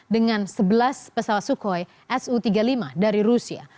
dengan sebelas pesawat sukhoi su tiga puluh lima dari rusia